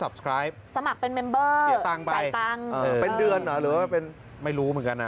มีหลายแบบพี่เบิร์ต